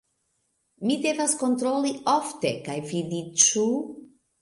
Mi devas kontroli ofte kaj vidi ĉu...